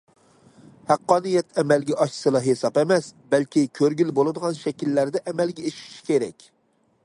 ھەققانىيەت ئەمەلگە ئاشسىلا ھېساب ئەمەس، بەلكى كۆرگىلى بولىدىغان شەكىللەردە ئەمەلگە ئېشىشى كېرەك.